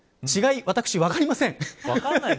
違い、私は分かりません。